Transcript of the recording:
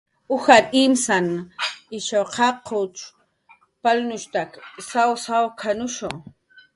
"Ujar imtan ish qachuchkun palnushp""tak sawy sawk""anushu"